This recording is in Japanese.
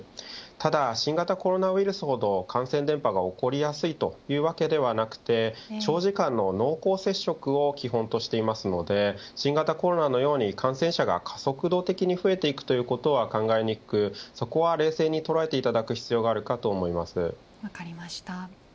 ただ、新型コロナウイルスほど感染伝播が起こりやすいというわけではなくて長時間の濃厚接触を基本としていますので新型コロナのように感染者が加速度的に増えていくということは考えにくく、そこは冷静に捉えていただく必要が分かりました。